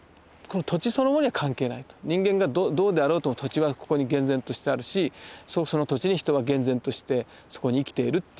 人間がどうであろうと土地はここに厳然としてあるしその土地に人は厳然としてそこに生きているっていうその事実